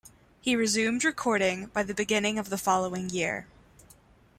He resumed recording by the beginning of the following year.